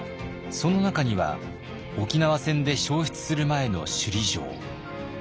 その中には沖縄戦で焼失する前の首里城。